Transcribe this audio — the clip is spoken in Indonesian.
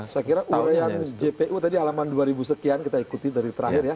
saya kira talehan jpu tadi alaman dua ribu sekian kita ikuti dari terakhir ya